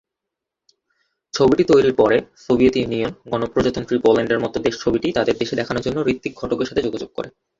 ছবিটি তৈরির পরে, সোভিয়েত ইউনিয়ন, গণপ্রজাতন্ত্রী পোল্যান্ডের মতো দেশ ছবিটি তাঁদের দেশে দেখানোর জন্য ঋত্বিক ঘটকের সাথে যোগাযোগ করে।